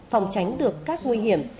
phòng tránh được các nguy hiểm